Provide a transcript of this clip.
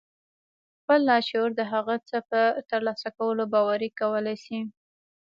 خپل لاشعور د هغه څه په ترلاسه کولو باوري کولای شئ.